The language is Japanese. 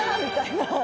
みたいな。